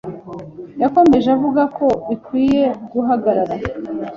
Yakomeje avuga ko bikwiye guhagarara